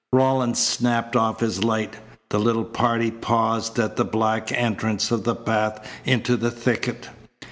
Rawlins snapped off his light. The little party paused at the black entrance of the path into the thicket.